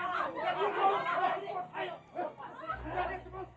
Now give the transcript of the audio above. bapak ibu semua sekalian